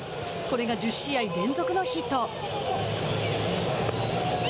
これが１０試合連続のヒット。